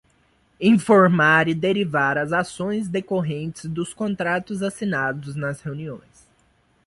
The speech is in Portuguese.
Informar e derivar as ações decorrentes dos contratos assinados nas reuniões.